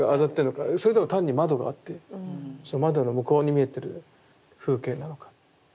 それとも単に窓があって窓の向こうに見えてる風景なのか。